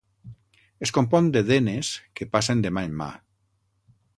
Es compon de denes que passen de mà en mà.